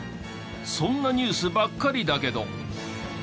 そんなニュースばっかりだけど。